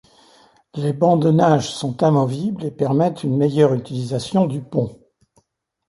Les bancs de nage sont amovibles et permettent une meilleure utilisation du pont.